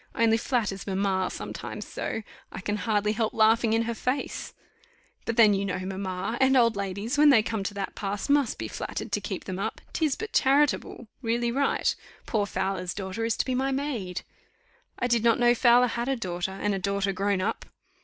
Only flatters mamma sometimes so, I can hardly help laughing in her face; but then you know mamma, and old ladies, when they come to that pass, must be flattered to keep them up 'tis but charitable really right. Poor Fowler's daughter is to be my maid." "I did not know Fowler had a daughter, and a daughter grown up."